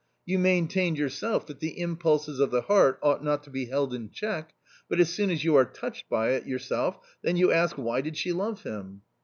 You maintained yourself that the impulses of the heart ought not to be held in check, but as soon as you are touched by it yourself then you ask why did she love him